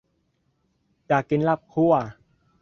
อยากกินลาบคั่ว